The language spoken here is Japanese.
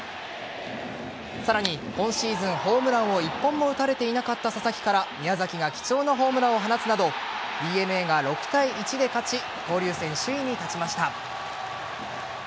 さらに、今シーズンホームランを１本も打たれていなかった佐々木から宮崎が貴重なホームランを放つなどＤｅＮＡが６対１で勝ち交流戦首位に立ちました。